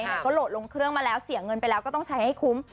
โหลดลงเครืองมาแล้วเสียเงินไปแล้วก็ใช้ให้คุ้ม